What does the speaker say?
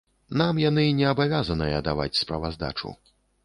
Нам яны не абавязаныя даваць справаздачу.